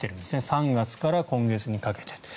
３月から今月にかけて。